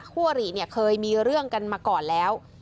คู่อริเนี่ยเคยมีเรื่องกันมาก่อนแล้ว